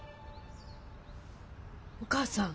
お母さん！